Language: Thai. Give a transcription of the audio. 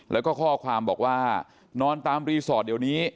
แล้วก็ข้อความบอกว่านอนตามรีสอร์ทเดี๋ยวนี้